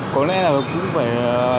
có lẽ là cũng phải